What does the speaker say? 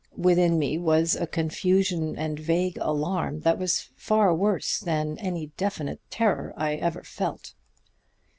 Within me was a confusion and vague alarm that was far worse than any definite terror I ever felt.